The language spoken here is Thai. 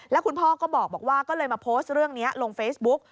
แล้วคุณพ่อก็บอกว่าก็เลยมาโพสต์เรื่องนี้ลงเฟซบุ๊ก